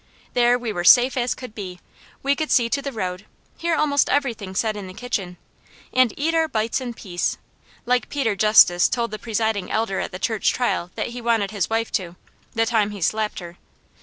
There we were safe as could be, we could see to the road, hear almost everything said in the kitchen, and "eat our bites in peace," like Peter Justice told the Presiding Elder at the church trial that he wanted his wife to, the time he slapped her.